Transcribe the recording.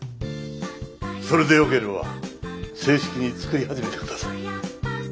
それでよければ正式に作り始めて下さい。